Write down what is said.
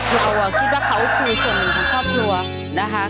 เราคิดว่าเขาคือส่วนหนึ่งของครอบครัวนะคะ